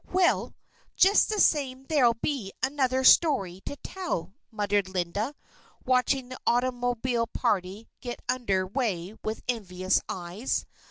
"Well! just the same there'll be another story to tell," muttered Linda, watching the automobile party get under way with envious eyes.